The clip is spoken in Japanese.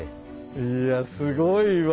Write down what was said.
いやすごいわ。